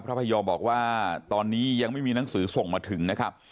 พยอมบอกว่าตอนนี้ยังไม่มีหนังสือส่งมาถึงนะครับ